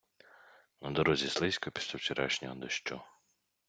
На дорозі слизько після вчорашнього дощу.